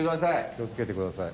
気をつけてください。